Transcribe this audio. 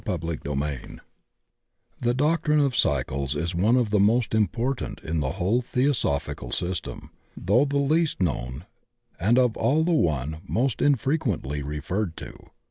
CHAPTER XIV THE doctrine of Cycles is one of the most im portant in the whole theosophical system, though the least known and of all the one most infre quently referred to.